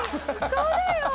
そうだよ。